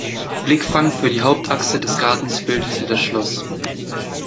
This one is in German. Blickfang für die Hauptachse des Gartens bildete das Schloss.